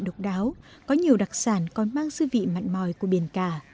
độc đáo có nhiều đặc sản còn mang sư vị mặn mòi của biển cả